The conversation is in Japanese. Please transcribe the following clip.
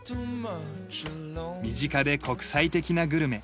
身近で国際的なグルメ。